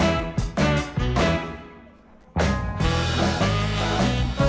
รับทราบ